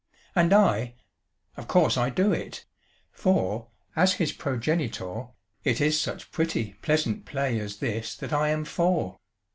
And I of course I do it; for, as his progenitor, It is such pretty, pleasant play as this that I am for!